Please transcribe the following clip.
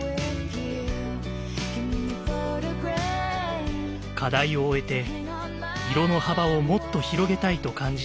課題を終えて色の幅をもっと広げたいと感じた山本さん。